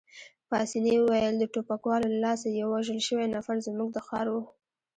پاسیني وویل: د ټوپکوالو له لاسه یو وژل شوی نفر، زموږ د ښار وو.